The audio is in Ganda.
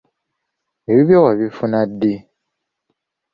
Ebibyo wabifuna ddi?